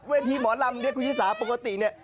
หมอลำเนี่ยคุณชิสาปกติเนี่ย